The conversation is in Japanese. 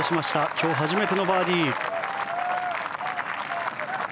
今日初めてのバーディー。